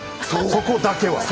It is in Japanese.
そこだけは。